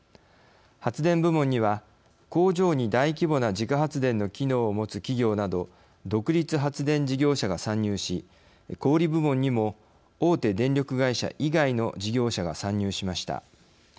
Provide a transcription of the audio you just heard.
発電部門には、工場に大規模な自家発電の機能を持つ企業など独立発電事業者が参入し小売部門にも大手電力会社以外の事業者が参入しました。